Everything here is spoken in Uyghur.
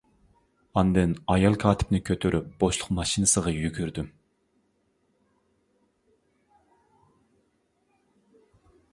ئاندىن ئايال كاتىپنى كۆتۈرۈپ بوشلۇق ماشىنىسىغا يۈگۈردۈم.